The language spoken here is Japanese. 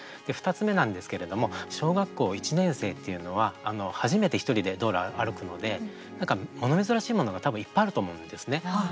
２つ目なんですけれども小学校１年生っていうのは初めて１人で道路歩くのでもの珍しいものがたぶんいっぱいあると思うんですね。